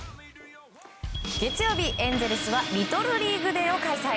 月曜日、エンゼルスはリトルリーグ・デーを開催。